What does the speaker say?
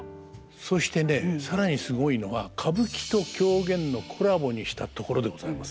そしてね更にすごいのは歌舞伎と狂言のコラボにしたところでございます。